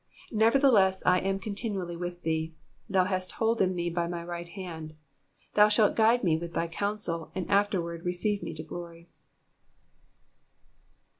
345 23 Nevertheless I am continually with thee : thou hast holden m€ by my right hand. 24 Thou shalt guide me with thy counsel, and afterward receive me to glory.